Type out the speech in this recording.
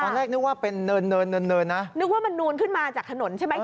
แรกนึกว่าเป็นเนินเนินนะนึกว่ามันนูนขึ้นมาจากถนนใช่ไหม